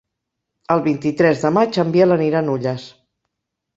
El vint-i-tres de maig en Biel anirà a Nulles.